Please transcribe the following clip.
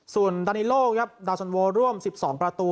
ส่วนดานิโล่นะครับดาวสันโวร่ร่วมสิบสองกระตู